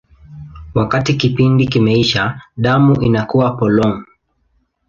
Wakati kipindi kimeisha, damu inakuwa polong.